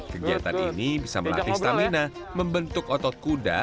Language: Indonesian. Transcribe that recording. kegiatan ini bisa melatih stamina membentuk otot kuda